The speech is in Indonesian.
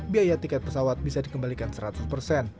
biaya tiket pesawat bisa dikembalikan seratus persen